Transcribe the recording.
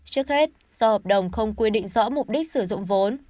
trước hết do hợp đồng không quy định rõ mục đích sử dụng vốn